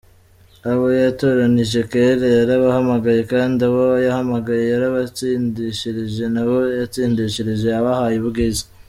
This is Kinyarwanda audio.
Abo yatoranije kera yarabahamagaye kandi abo yahamagaye yarabatsindishirije n’abo yatsindishirije yabahaye ubwiza.